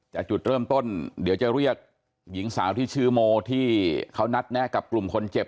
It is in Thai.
จุดเริ่มต้นเดี๋ยวจะเรียกหญิงสาวที่ชื่อโมที่เขานัดแนะกับกลุ่มคนเจ็บ